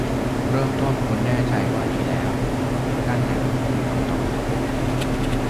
เริ่มต้นคุณแน่ใจว่าดีแล้ว นั่นแหละคือคำตอบ